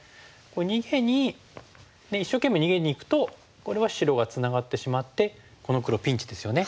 逃げに一生懸命逃げにいくとこれは白がツナがってしまってこの黒ピンチですよね。